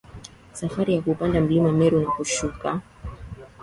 Safari ya kuupanda Mlima Meru na kushuka